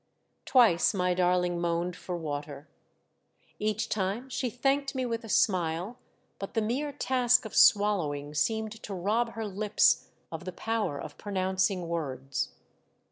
Twice my darling moaned for wat€7. Each time she thanked me with a smile, but the mere task of swallowing seemed to rob her lips of the power of pronouncing words.